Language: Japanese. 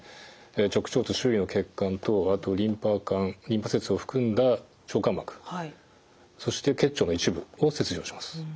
直腸と周囲の血管とあとリンパ管リンパ節を含んだ腸間膜そして結腸の一部を切除します。